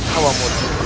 kau mau hidup